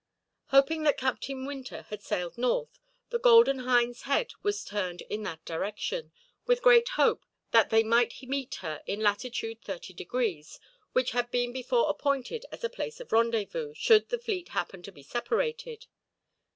Hoping that Captain Winter had sailed north, the Golden Hind's head was turned in that direction, with great hope that they might meet her in latitude 30 degrees; which had been before appointed as a place of rendezvous, should the fleet happen to be separated.